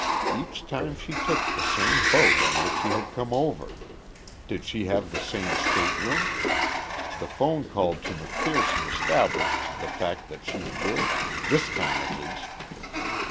Each time she took the same boat on which she had come over! Did she have the same stateroom? The phone call to MacPherson established the fact that she did this time at least.